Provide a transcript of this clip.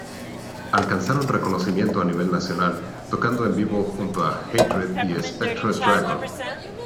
Alcanzaron reconocimiento a nivel nacional, tocando en vivo junto a Hatred y Spectre Dragon.